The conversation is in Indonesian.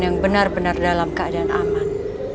yang benar benar dalam keadaan aman